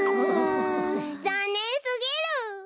ざんねんすぎる。